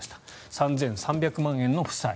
３３００万円の負債。